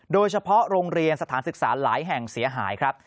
โดยเฉพาะโรงเรียนสถานศึกษาหลายแห่งเสียหายครับ